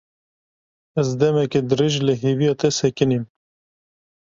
Ez demeke dirêj li hêviya te sekinîm.